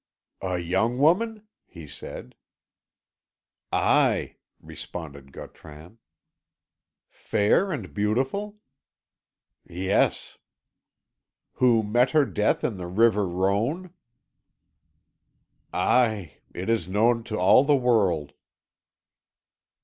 "A young woman?" he said. "Aye," responded Gautran. "Fair and beautiful?" "Yes." "Who met her death in the river Rhone?' "Aye it is known to all the world."